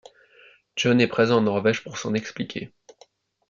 Jón est présent en Norvège pour s’en expliquer.